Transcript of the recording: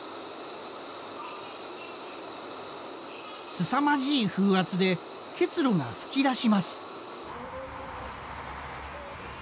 すさまじい風圧で結露が噴き出します。